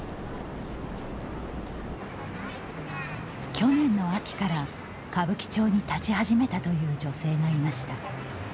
去年の秋から歌舞伎町に立ち始めたという女性がいました。